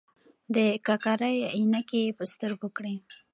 د ککرۍ عینکې یې په سترګو کړې.